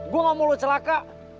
gue gak mau lu celaka